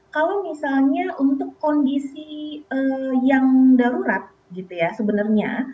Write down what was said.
kalau misalnya untuk kondisi yang darurat gitu ya sebenarnya